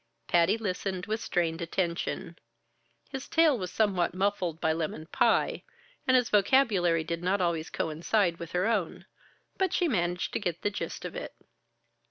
Patty listened with strained attention. His tale was somewhat muffled by lemon pie, and his vocabulary did not always coincide with her own, but she managed to get the gist of it.